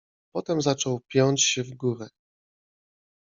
Potem zaczął piąć się w górę.